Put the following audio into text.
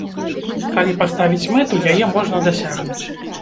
Калі паставіць мэту, яе можна дасягнуць.